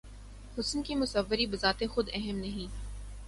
حسن کی مصوری بذات خود اہم نہیں